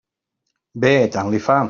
Bé, tant li fa.